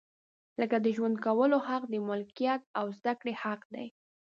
لکه د ژوند کولو حق، د ملکیت او زده کړې حق دی.